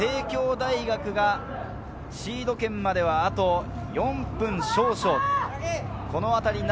ここまで帝京大学がシード権まではあと４分少々。